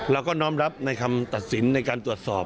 เราก็น้อมรับในคำตัดสินในการตรวจสอบ